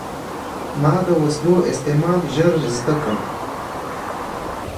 ما د وسلو استعمال ژر زده کړ.